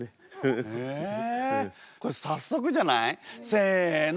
これ早速じゃない？せの。